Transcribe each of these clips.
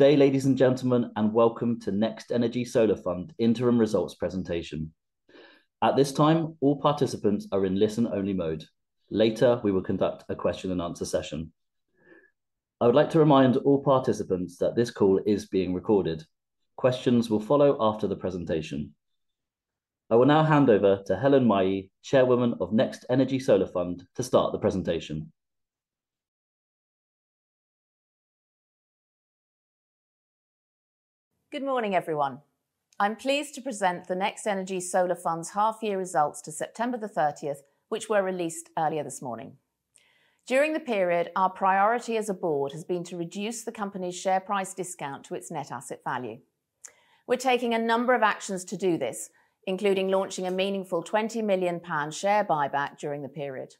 Good day, ladies and gentlemen, and welcome to NextEnergy Solar Fund Interim Results Presentation. At this time, all participants are in listen-only mode. Later, we will conduct a question-and-answer session. I would like to remind all participants that this call is being recorded. Questions will follow after the presentation. I will now hand over to Helen Mahy, Chairwoman of NextEnergy Solar Fund, to start the presentation. Good morning, everyone. I'm pleased to present the NextEnergy Solar Fund's half-year results to September the 30th, which were released earlier this morning. During the period, our priority as a board has been to reduce the company's share price discount to its net asset value. We're taking a number of actions to do this, including launching a meaningful £20 million share buyback during the period.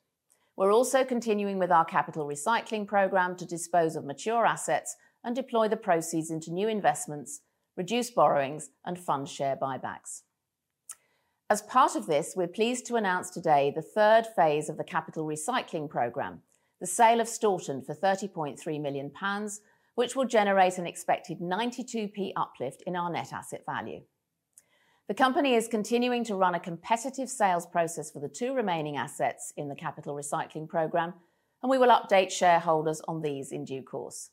We're also continuing with our capital recycling program to dispose of mature assets and deploy the proceeds into new investments, reduce borrowings, and fund share buybacks. As part of this, we're pleased to announce today the third phase of the capital recycling program, the sale of Staunton for £30.3 million, which will generate an expected 0.92p uplift in our net asset value. The company is continuing to run a competitive sales process for the two remaining assets in the capital recycling program, and we will update shareholders on these in due course.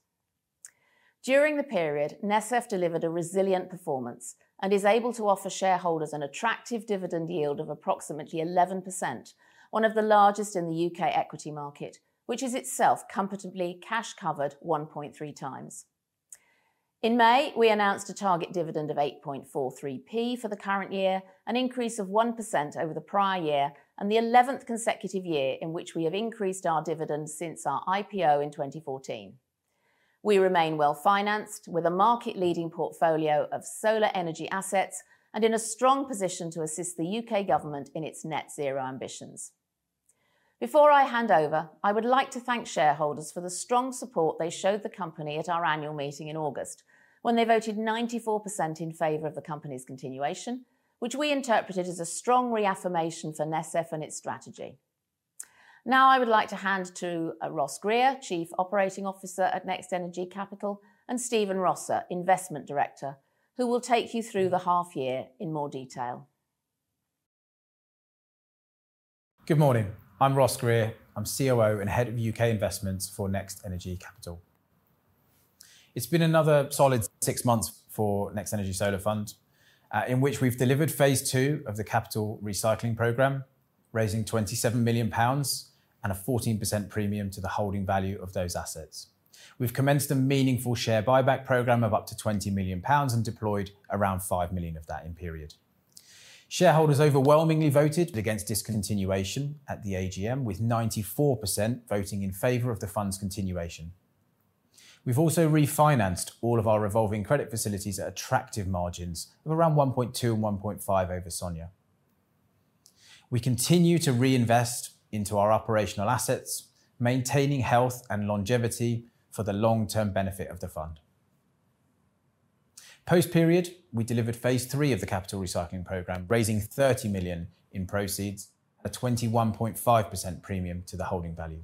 During the period, NESF delivered a resilient performance and is able to offer shareholders an attractive dividend yield of approximately 11%, one of the largest in the U.K. equity market, which is itself comfortably cash-covered 1.3 times. In May, we announced a target dividend of 8.43p for the current year, an increase of 1% over the prior year and the 11th consecutive year in which we have increased our dividend since our IPO in 2014. We remain well-financed with a market-leading portfolio of solar energy assets and in a strong position to assist the U.K. government in its net-zero ambitions. Before I hand over, I would like to thank shareholders for the strong support they showed the company at our annual meeting in August, when they voted 94% in favor of the company's continuation, which we interpreted as a strong reaffirmation for NESF and its strategy. Now, I would like to hand to Ross Grier, Chief Operating Officer at NextEnergy Capital, and Stephen Rosser, Investment Director, who will take you through the half-year in more detail. Good morning. I'm Ross Grier. I'm COO and Head of U.K. Investments for NextEnergy Capital. It's been another solid six months for NextEnergy Solar Fund, in which we've delivered phase two of the capital recycling program, raising £27 million and a 14% premium to the holding value of those assets. We've commenced a meaningful share buyback program of up to £20 million and deployed around £5 million of that in period. Shareholders overwhelmingly voted against discontinuation at the AGM, with 94% voting in favor of the fund's continuation. We've also refinanced all of our revolving credit facilities at attractive margins of around 1.2 and 1.5 over SONIA. We continue to reinvest into our operational assets, maintaining health and longevity for the long-term benefit of the fund. Post-period, we delivered phase three of the capital recycling program, raising £30 million in proceeds and a 21.5% premium to the holding value.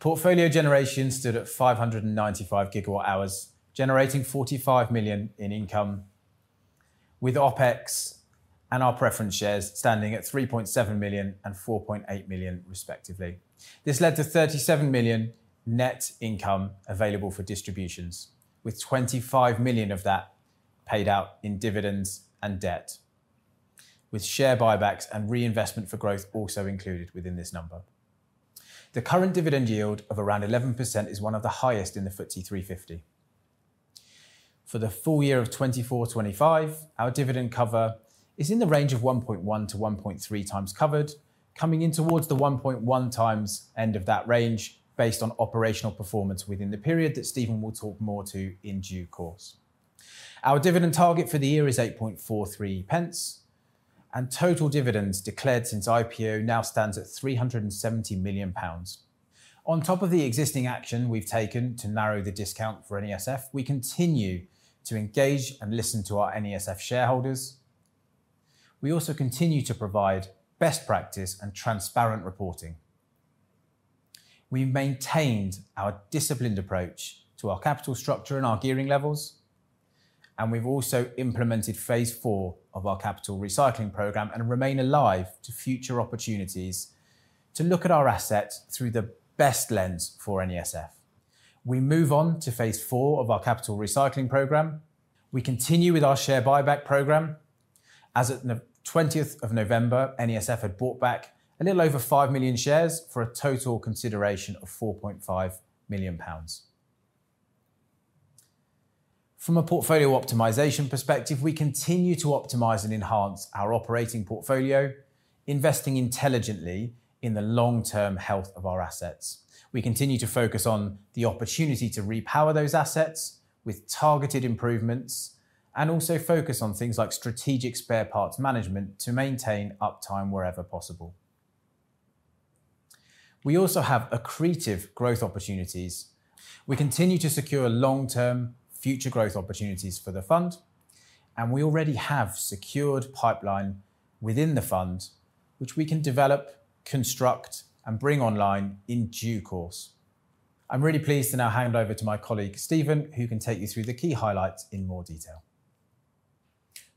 Portfolio generation stood at 595 GWh, generating £45 million in income, with OPEX and our preference shares standing at £3.7 million and £4.8 million, respectively. This led to £37 million net income available for distributions, with £25 million of that paid out in dividends and debt, with share buybacks and reinvestment for growth also included within this number. The current dividend yield of around 11% is one of the highest in the FTSE 350. For the full year of 2024/25, our dividend cover is in the range of 1.1 to 1.3 times covered, coming in towards the 1.1 times end of that range based on operational performance within the period that Stephen will talk more to in due course. Our dividend target for the year is 8.43p, and total dividends declared since IPO now stands at £370 million. On top of the existing action we've taken to narrow the discount for NESF, we continue to engage and listen to our NESF shareholders. We also continue to provide best practice and transparent reporting. We maintained our disciplined approach to our capital structure and our gearing levels, and we've also implemented phase four of our capital recycling program and remain alive to future opportunities to look at our asset through the best lens for NESF. We move on to phase four of our capital recycling program. We continue with our share buyback program. As of the 20th of November, NESF had bought back a little over 5 million shares for a total consideration of 4.5 million pounds. From a portfolio optimization perspective, we continue to optimize and enhance our operating portfolio, investing intelligently in the long-term health of our assets. We continue to focus on the opportunity to repower those assets with targeted improvements and also focus on things like strategic spare parts management to maintain uptime wherever possible. We also have accretive growth opportunities. We continue to secure long-term future growth opportunities for the fund, and we already have secured pipeline within the fund, which we can develop, construct, and bring online in due course. I'm really pleased to now hand over to my colleague Stephen, who can take you through the key highlights in more detail.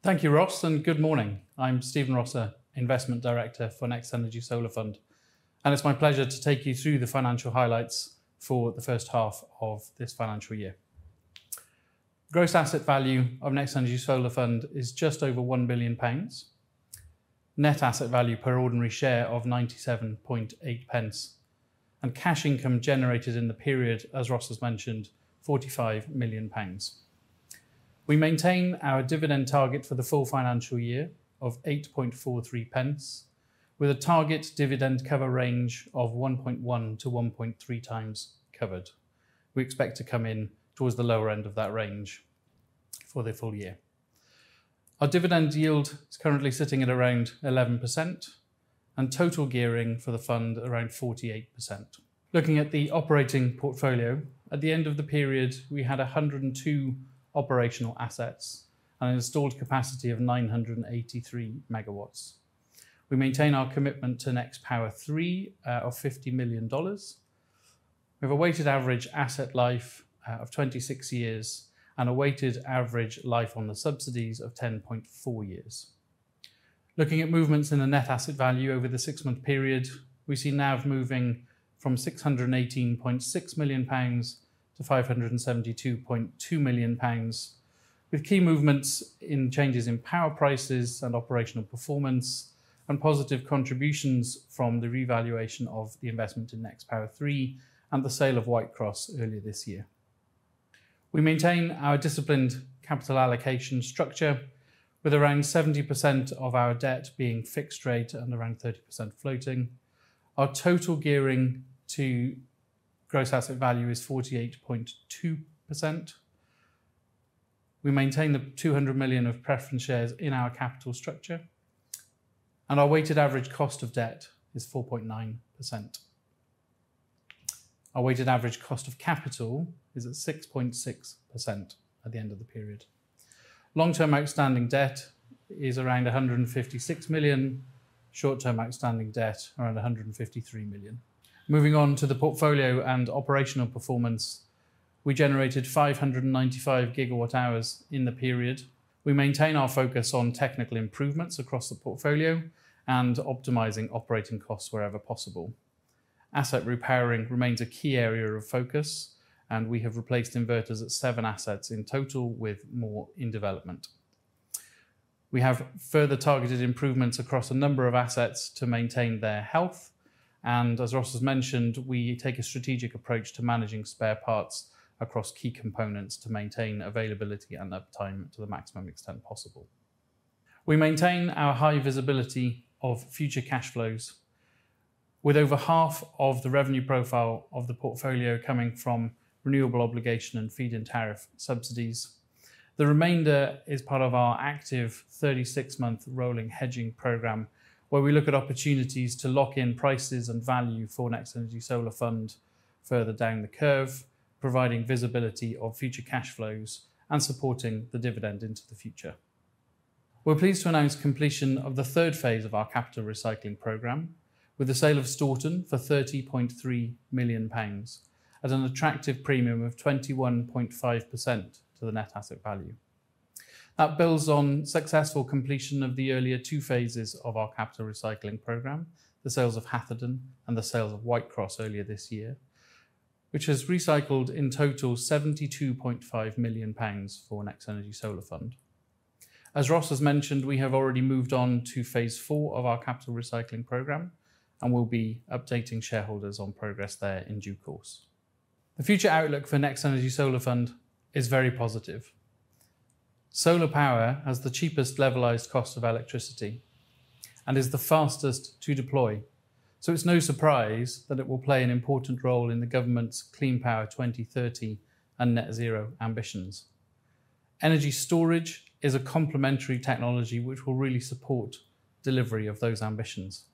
Thank you, Ross, and good morning. I'm Stephen Rosser, Investment Director for NextEnergy Solar Fund, and it's my pleasure to take you through the financial highlights for the first half of this financial year. Gross asset value of NextEnergy Solar Fund is just over £1 billion, net asset value per ordinary share of 97.8p, and cash income generated in the period, as Ross has mentioned, £45 million. We maintain our dividend target for the full financial year of £8.43, with a target dividend cover range of 1.1 to 1.3 times covered. We expect to come in towards the lower end of that range for the full year. Our dividend yield is currently sitting at around 11%, and total gearing for the fund around 48%. Looking at the operating portfolio, at the end of the period, we had 102 operational assets and an installed capacity of 983 MW. We maintain our commitment to NextPower III of $50 million. We have a weighted average asset life of 26 years and a weighted average life on the subsidies of 10.4 years. Looking at movements in the net asset value over the six-month period, we see NAV moving from £618.6 million to £572.2 million, with key movements in changes in power prices and operational performance and positive contributions from the revaluation of the investment in NextPower III and the sale of Whitecross earlier this year. We maintain our disciplined capital allocation structure, with around 70% of our debt being fixed rate and around 30% floating. Our total gearing to gross asset value is 48.2%. We maintain the £200 million of preference shares in our capital structure, and our weighted average cost of debt is 4.9%. Our weighted average cost of capital is at 6.6% at the end of the period. Long-term outstanding debt is around £156 million, short-term outstanding debt around £153 million. Moving on to the portfolio and operational performance, we generated 595 GWh in the period. We maintain our focus on technical improvements across the portfolio and optimizing operating costs wherever possible. Asset repowering remains a key area of focus, and we have replaced inverters at seven assets in total, with more in development. We have further targeted improvements across a number of assets to maintain their health, and as Ross has mentioned, we take a strategic approach to managing spare parts across key components to maintain availability and uptime to the maximum extent possible. We maintain our high visibility of future cash flows, with over half of the revenue profile of the portfolio coming from Renewables Obligation and Feed-in Tariff subsidies. The remainder is part of our active 36-month rolling hedging program, where we look at opportunities to lock in prices and value for NextEnergy Solar Fund further down the curve, providing visibility of future cash flows and supporting the dividend into the future. We're pleased to announce completion of the third phase of our capital recycling program, with the sale of Staunton for 30.3 million pounds at an attractive premium of 21.5% to the net asset value. That builds on successful completion of the earlier two phases of our capital recycling program, the sales of Hatherton and the sales of Whitecross earlier this year, which has recycled in total 72.5 million pounds for NextEnergy Solar Fund. As Ross has mentioned, we have already moved on to phase four of our capital recycling program and will be updating shareholders on progress there in due course. The future outlook for NextEnergy Solar Fund is very positive. Solar power has the cheapest levelized cost of electricity and is the fastest to deploy, so it's no surprise that it will play an important role in the government's Clean Power 2030 and net-zero ambitions. Energy storage is a complementary technology which will really support delivery of those ambitions.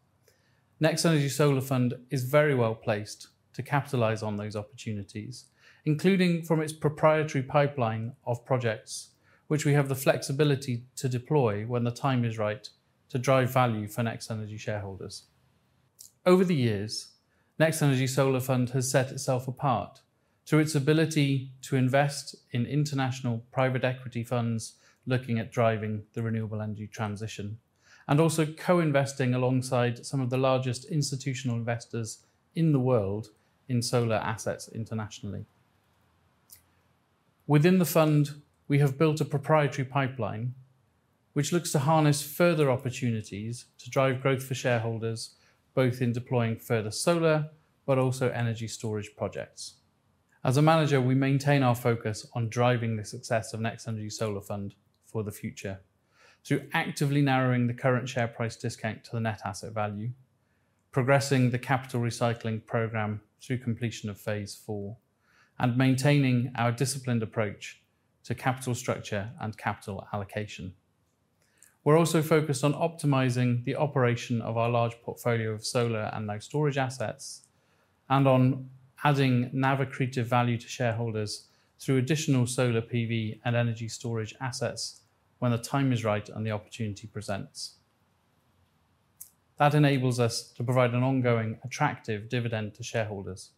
NextEnergy Solar Fund is very well placed to capitalize on those opportunities, including from its proprietary pipeline of projects, which we have the flexibility to deploy when the time is right to drive value for NextEnergy shareholders. Over the years, NextEnergy Solar Fund has set itself apart through its ability to invest in international private equity funds looking at driving the renewable energy transition and also co-investing alongside some of the largest institutional investors in the world in solar assets internationally. Within the fund, we have built a proprietary pipeline which looks to harness further opportunities to drive growth for shareholders, both in deploying further solar but also energy storage projects. As a manager, we maintain our focus on driving the success of NextEnergy Solar Fund for the future through actively narrowing the current share price discount to the net asset value, progressing the capital recycling program through completion of phase four, and maintaining our disciplined approach to capital structure and capital allocation. We're also focused on optimizing the operation of our large portfolio of solar and low storage assets and on adding NAV accretive value to shareholders through additional solar PV and energy storage assets when the time is right and the opportunity presents. That enables us to provide an ongoing attractive dividend to shareholders,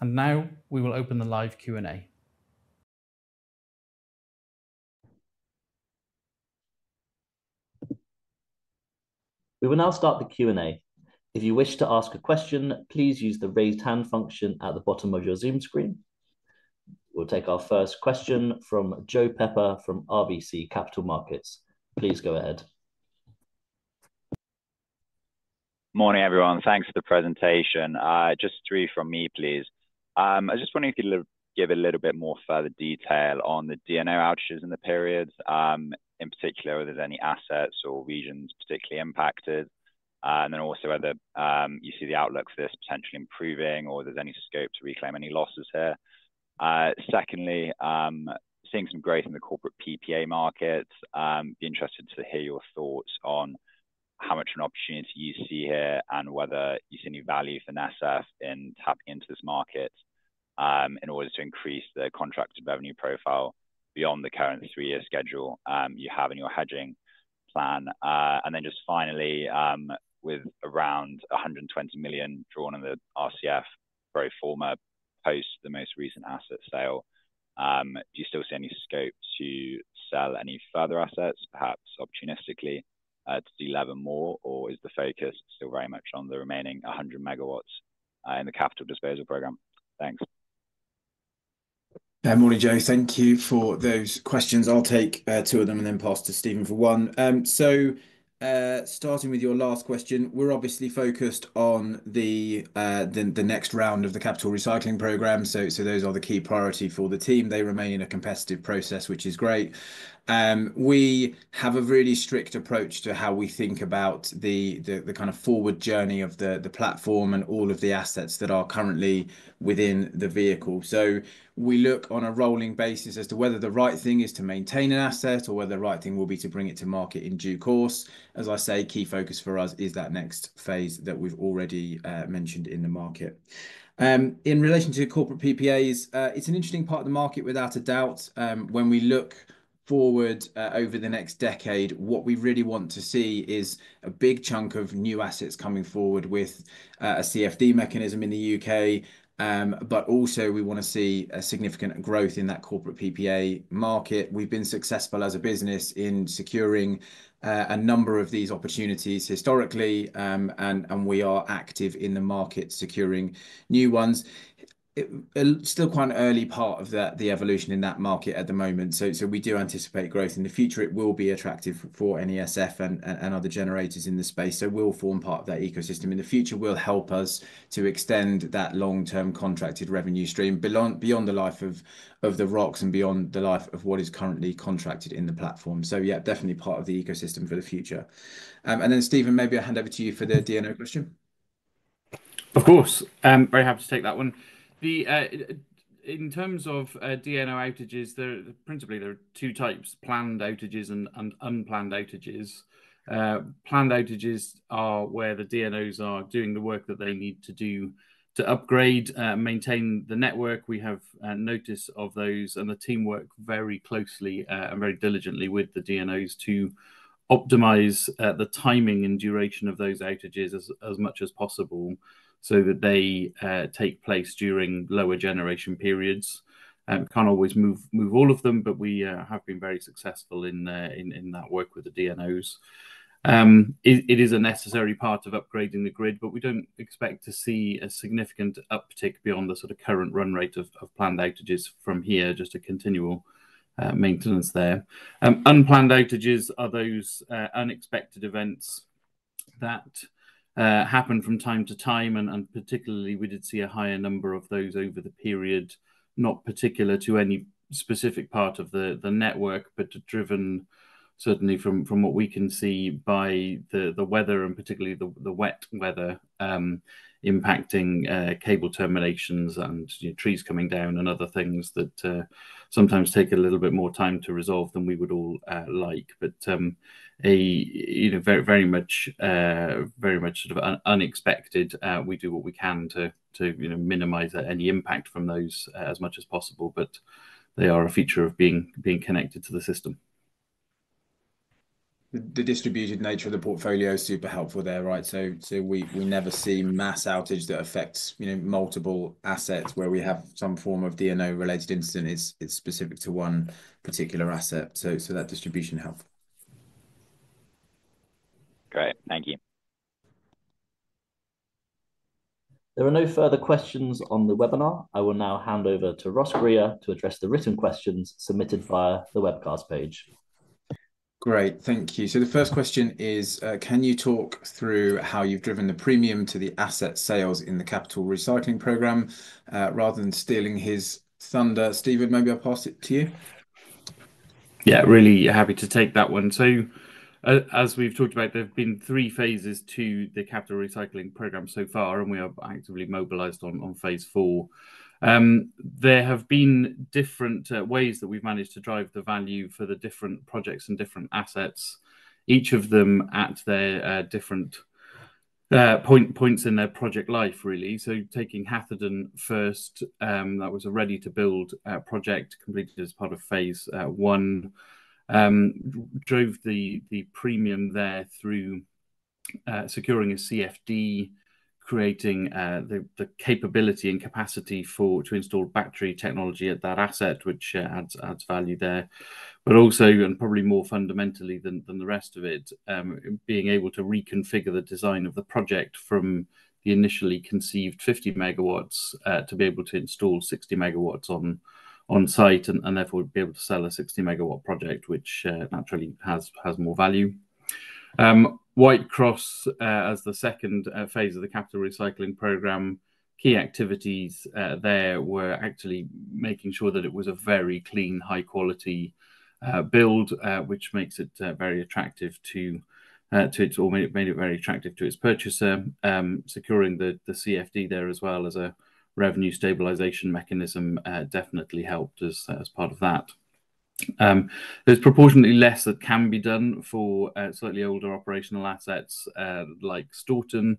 and now we will open the live Q&A. We will now start the Q&A. If you wish to ask a question, please use the raised hand function at the bottom of your Zoom screen. We'll take our first question from Joe Pepper from RBC Capital Markets. Please go ahead. Morning, everyone. Thanks for the presentation. Just three from me, please. I just wanted to get a little bit more further detail on the DNO outages in the period, in particular whether there's any assets or regions particularly impacted, and then also whether you see the outlook for this potentially improving or there's any scope to reclaim any losses here. Secondly, seeing some growth in the corporate PPA markets, I'd be interested to hear your thoughts on how much of an opportunity you see here and whether you see any value for NESF in tapping into this market in order to increase the contracted revenue profile beyond the current three-year schedule you have in your hedging plan. And then just finally, with around 120 million drawn in the RCF, very firm post the most recent asset sale, do you still see any scope to sell any further assets, perhaps opportunistically to delever more, or is the focus still very much on the remaining 100 MWs in the capital disposal program? Thanks. Morning, Joe. Thank you for those questions. I'll take two of them and then pass to Stephen for one, so starting with your last question, we're obviously focused on the next round of the Capital Recycling Program, so those are the key priority for the team. They remain in a competitive process, which is great. We have a really strict approach to how we think about the kind of forward journey of the platform and all of the assets that are currently within the vehicle, so we look on a rolling basis as to whether the right thing is to maintain an asset or whether the right thing will be to bring it to market in due course. As I say, key focus for us is that next phase that we've already mentioned in the market. In relation to corporate PPAs, it's an interesting part of the market, without a doubt. When we look forward over the next decade, what we really want to see is a big chunk of new assets coming forward with a CFD mechanism in the UK, but also we want to see a significant growth in that corporate PPA market. We've been successful as a business in securing a number of these opportunities historically, and we are active in the market securing new ones. Still quite an early part of the evolution in that market at the moment. So we do anticipate growth in the future. It will be attractive for NESF and other generators in the space. So we'll form part of that ecosystem in the future. We'll help us to extend that long-term contracted revenue stream beyond the life of the ROs and beyond the life of what is currently contracted in the platform. So yeah, definitely part of the ecosystem for the future. And then Stephen, maybe I'll hand over to you for the DNO question. Of course. Very happy to take that one. In terms of DNO outages, principally there are two types: planned outages and unplanned outages. Planned outages are where the DNOs are doing the work that they need to do to upgrade and maintain the network. We have notice of those and the team work very closely and very diligently with the DNOs to optimize the timing and duration of those outages as much as possible so that they take place during lower generation periods. Can't always move all of them, but we have been very successful in that work with the DNOs. It is a necessary part of upgrading the grid, but we don't expect to see a significant uptick beyond the sort of current run rate of planned outages from here, just a continual maintenance there. Unplanned outages are those unexpected events that happen from time to time, and particularly we did see a higher number of those over the period, not particular to any specific part of the network, but driven certainly from what we can see by the weather and particularly the wet weather impacting cable terminations and trees coming down and other things that sometimes take a little bit more time to resolve than we would all like. But very much sort of unexpected, we do what we can to minimize any impact from those as much as possible, but they are a feature of being connected to the system. The distributed nature of the portfolio is super helpful there, right? So we never see mass outage that affects multiple assets where we have some form of DNO-related incident. It's specific to one particular asset. So that distribution helps. Great. Thank you. There are no further questions on the webinar. I will now hand over to Ross Grier to address the written questions submitted via the webcast page. Great. Thank you. So the first question is, can you talk through how you've driven the premium to the asset sales in the capital recycling program rather than stealing his thunder? Stephen, maybe I'll pass it to you. Yeah. Really happy to take that one. So as we've talked about, there have been three phases to the capital recycling program so far, and we have actively mobilized on phase four. There have been different ways that we've managed to drive the value for the different projects and different assets, each of them at their different points in their project life, really. So taking Hatherton first, that was a ready-to-build project completed as part of phase one, drove the premium there through securing a CFD, creating the capability and capacity to install battery technology at that asset, which adds value there. But also, and probably more fundamentally than the rest of it, being able to reconfigure the design of the project from the initially conceived 50 MWs to be able to install 60 MWs on site and therefore be able to sell a 60-MW project, which naturally has more value. Whitecross, as the second phase of the capital recycling program, key activities there were actually making sure that it was a very clean, high-quality build, which makes it very attractive to its or made it very attractive to its purchaser. Securing the CFD there as well as a revenue stabilization mechanism definitely helped us as part of that. There's proportionately less that can be done for slightly older operational assets like Staunton,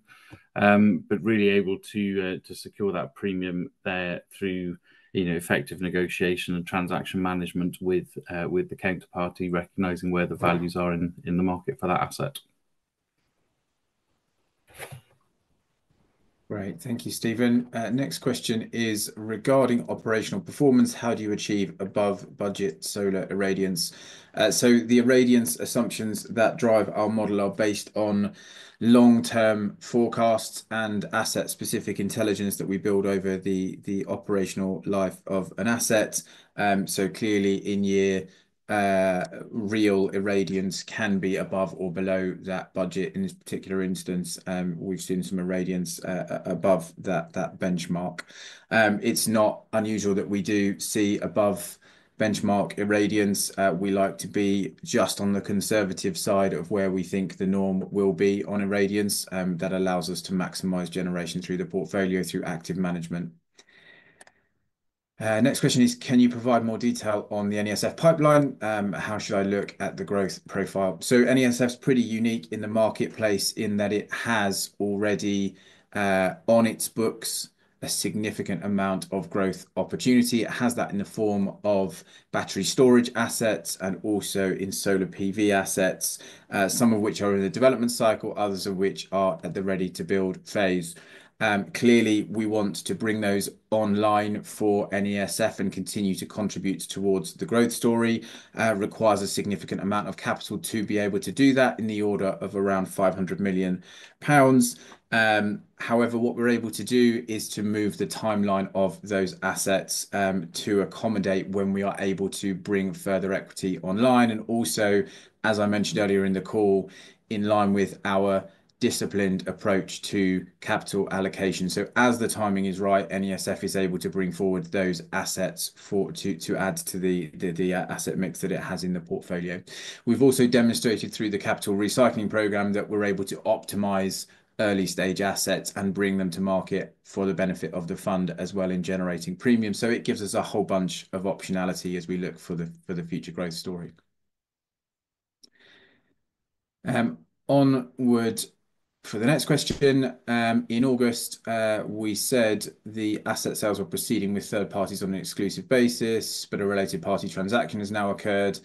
but really able to secure that premium there through effective negotiation and transaction management with the counterparty, recognizing where the values are in the market for that asset. Great. Thank you, Stephen. Next question is regarding operational performance. How do you achieve above-budget solar irradiance? So the irradiance assumptions that drive our model are based on long-term forecasts and asset-specific intelligence that we build over the operational life of an asset. So clearly, in year, real irradiance can be above or below that budget. In this particular instance, we've seen some irradiance above that benchmark. It's not unusual that we do see above-benchmark irradiance. We like to be just on the conservative side of where we think the norm will be on irradiance. That allows us to maximize generation through the portfolio through active management. Next question is, can you provide more detail on the NESF pipeline? How should I look at the growth profile? So NESF is pretty unique in the marketplace in that it has already on its books a significant amount of growth opportunity. It has that in the form of battery storage assets and also in solar PV assets, some of which are in the development cycle, others of which are at the ready-to-build phase. Clearly, we want to bring those online for NESF and continue to contribute towards the growth story. It requires a significant amount of capital to be able to do that in the order of around 500 million pounds. However, what we're able to do is to move the timeline of those assets to accommodate when we are able to bring further equity online, and also, as I mentioned earlier in the call, in line with our disciplined approach to capital allocation, so as the timing is right, NESF is able to bring forward those assets to add to the asset mix that it has in the portfolio. We've also demonstrated through the capital recycling program that we're able to optimize early-stage assets and bring them to market for the benefit of the fund as well in generating premium, so it gives us a whole bunch of optionality as we look for the future growth story. Onward for the next question. In August, we said the asset sales were proceeding with third parties on an exclusive basis, but a related party transaction has now occurred.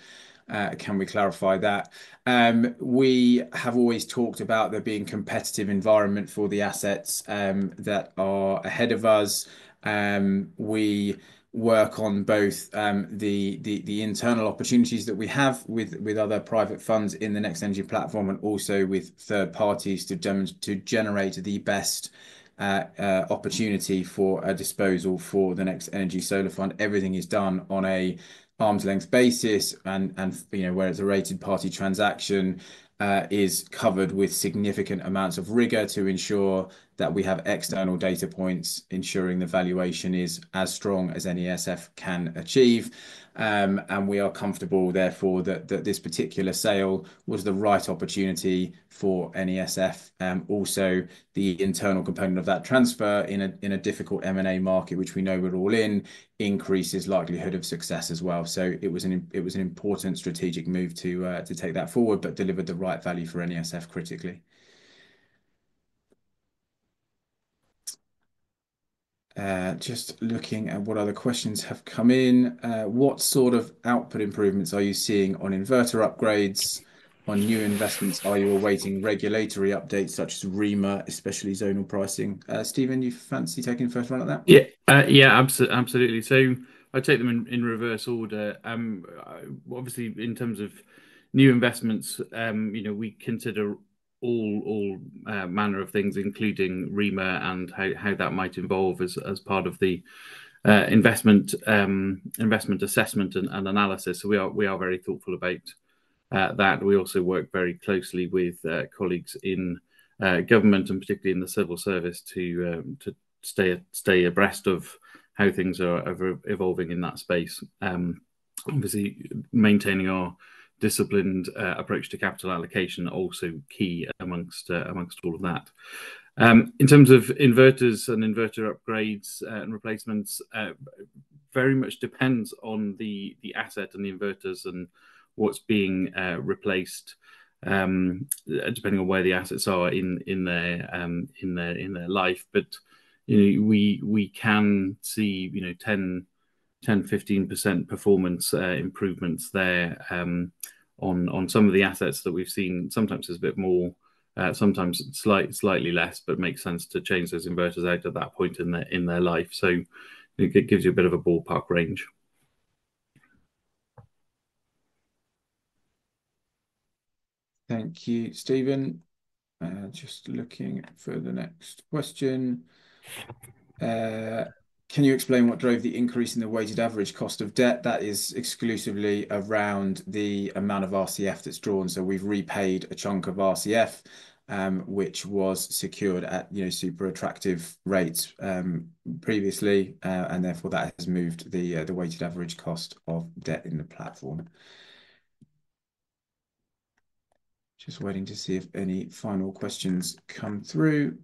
Can we clarify that? We have always talked about there being a competitive environment for the assets that are ahead of us. We work on both the internal opportunities that we have with other private funds in the NextEnergy platform and also with third parties to generate the best opportunity for a disposal for the NextEnergy Solar Fund. Everything is done on an arm's length basis, and whereas a related party transaction is covered with significant amounts of rigor to ensure that we have external data points ensuring the valuation is as strong as NESF can achieve, and we are comfortable, therefore, that this particular sale was the right opportunity for NESF. Also, the internal component of that transfer in a difficult M&A market, which we know we're all in, increases the likelihood of success as well, so it was an important strategic move to take that forward, but deliver the right value for NESF critically. Just looking at what other questions have come in. What sort of output improvements are you seeing on inverter upgrades? On new investments, are you awaiting regulatory updates such as REMA, especially zonal pricing? Stephen, you fancy taking the first round at that? Yeah, absolutely, so I'd take them in reverse order. Obviously, in terms of new investments, we consider all manner of things, including REMA and how that might involve as part of the investment assessment and analysis. So we are very thoughtful about that. We also work very closely with colleagues in government and particularly in the civil service to stay abreast of how things are evolving in that space. Obviously, maintaining our disciplined approach to capital allocation is also key among all of that. In terms of inverters and inverter upgrades and replacements, it very much depends on the asset and the inverters and what's being replaced, depending on where the assets are in their life. But we can see 10%-15% performance improvements there on some of the assets that we've seen. Sometimes it's a bit more, sometimes slightly less, but it makes sense to change those inverters out at that point in their life. So it gives you a bit of a ballpark range. Thank you, Stephen. Just looking for the next question. Can you explain what drove the increase in the weighted average cost of debt? That is exclusively around the amount of RCF that's drawn. So we've repaid a chunk of RCF, which was secured at super attractive rates previously, and therefore that has moved the weighted average cost of debt in the platform. Just waiting to see if any final questions come through.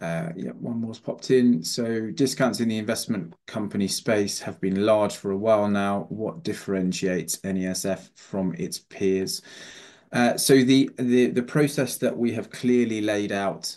Yeah, one more has popped in. So discounts in the investment company space have been large for a while now. What differentiates NESF from its peers? So the process that we have clearly laid out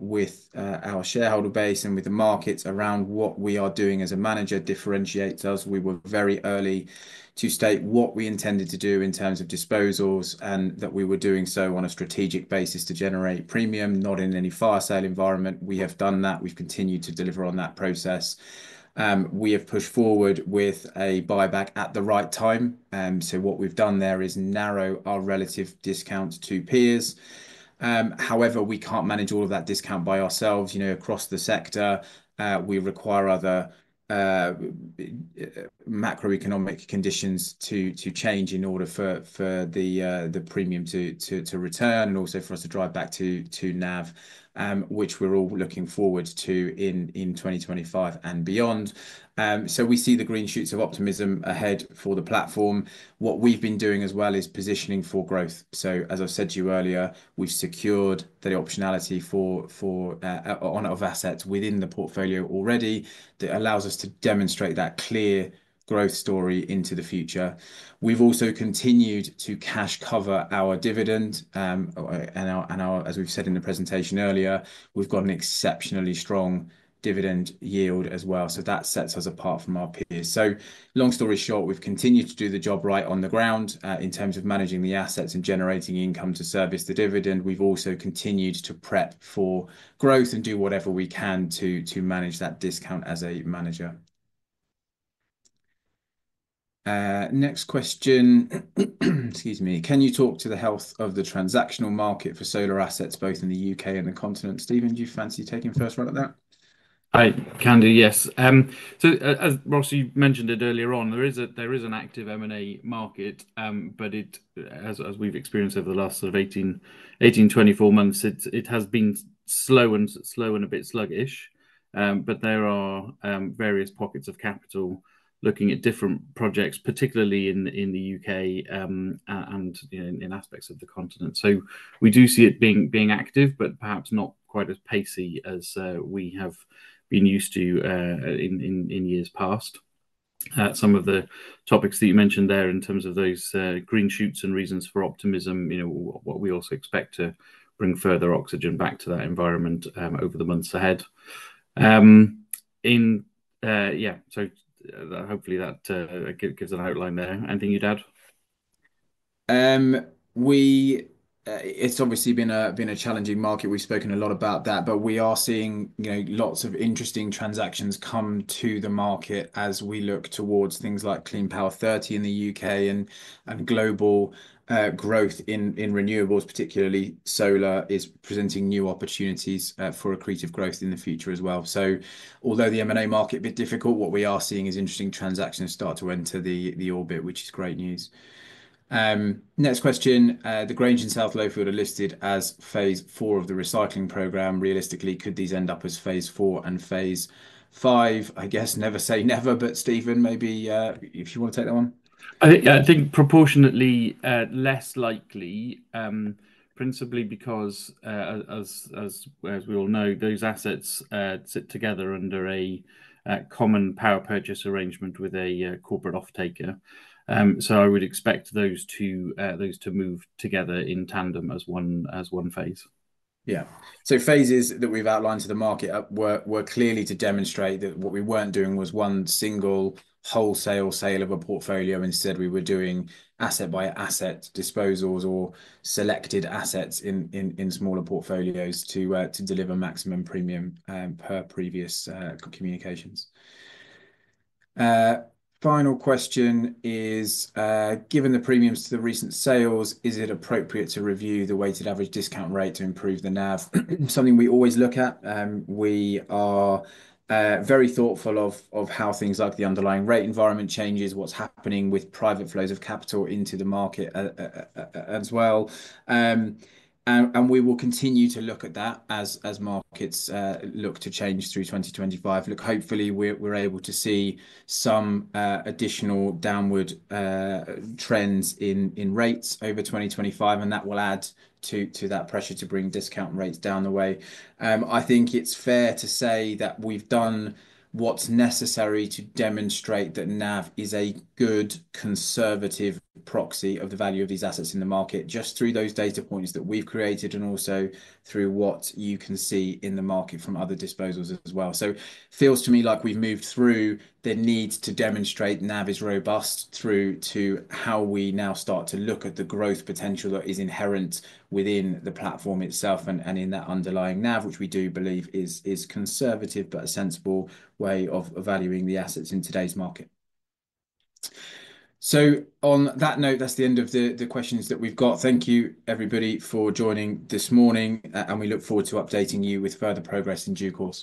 with our shareholder base and with the markets around what we are doing as a manager differentiates us. We were very early to state what we intended to do in terms of disposals and that we were doing so on a strategic basis to generate premium, not in any fire sale environment. We have done that. We've continued to deliver on that process. We have pushed forward with a buyback at the right time. So what we've done there is narrow our relative discounts to peers. However, we can't manage all of that discount by ourselves. Across the sector, we require other macroeconomic conditions to change in order for the premium to return and also for us to drive back to NAV, which we're all looking forward to in 2025 and beyond. So we see the green shoots of optimism ahead for the platform. What we've been doing as well is positioning for growth. So as I said to you earlier, we've secured the optionality on our assets within the portfolio already. That allows us to demonstrate that clear growth story into the future. We've also continued to cash cover our dividend. And as we've said in the presentation earlier, we've got an exceptionally strong dividend yield as well. So that sets us apart from our peers. So long story short, we've continued to do the job right on the ground in terms of managing the assets and generating income to service the dividend. We've also continued to prep for growth and do whatever we can to manage that discount as a manager. Next question. Excuse me. Can you talk to the health of the transactional market for solar assets, both in the U.K. and the continent? Stephen, do you fancy taking the first round at that? I can do, yes. So as Ross mentioned earlier on, there is an active M&A market, but as we've experienced over the last sort of 18-24 months, it has been slow and slow and a bit sluggish. But there are various pockets of capital looking at different projects, particularly in the UK and in aspects of the continent. So we do see it being active, but perhaps not quite as pacy as we have been used to in years past. Some of the topics that you mentioned there in terms of those green shoots and reasons for optimism. What we also expect to bring further oxygen back to that environment over the months ahead. Yeah, so hopefully that gives an outline there. Anything you'd add? It's obviously been a challenging market. We've spoken a lot about that, but we are seeing lots of interesting transactions come to the market as we look towards things like Clean Power 2030 in the UK and global growth in renewables, particularly solar, is presenting new opportunities for accretive growth in the future as well. So although the M&A market is a bit difficult, what we are seeing is interesting transactions start to enter the orbit, which is great news. Next question. The Grange and South Lowfield are listed as phase four of the recycling program. Realistically, could these end up as phase four and phase five? I guess never say never, but Stephen, maybe if you want to take that one. I think proportionately less likely, principally because, as we all know, those assets sit together under a common power purchase arrangement with a corporate off-taker. So I would expect those to move together in tandem as one phase. Yeah. So phases that we've outlined to the market were clearly to demonstrate that what we weren't doing was one single wholesale sale of a portfolio. Instead, we were doing asset-by-asset disposals or selected assets in smaller portfolios to deliver maximum premium per previous communications. Final question is, given the premiums to the recent sales, is it appropriate to review the weighted average discount rate to improve the NAV? Something we always look at. We are very thoughtful of how things like the underlying rate environment changes, what's happening with private flows of capital into the market as well. And we will continue to look at that as markets look to change through 2025. Look, hopefully we're able to see some additional downward trends in rates over 2025, and that will add to that pressure to bring discount rates down the way. I think it's fair to say that we've done what's necessary to demonstrate that NAV is a good conservative proxy of the value of these assets in the market just through those data points that we've created and also through what you can see in the market from other disposals as well. So it feels to me like we've moved through the need to demonstrate NAV is robust through to how we now start to look at the growth potential that is inherent within the platform itself and in that underlying NAV, which we do believe is conservative but a sensible way of valuing the assets in today's market. So on that note, that's the end of the questions that we've got. Thank you, everybody, for joining this morning, and we look forward to updating you with further progress in due course.